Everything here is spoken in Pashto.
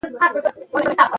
ټولې هيلې مې له منځه ولاړې.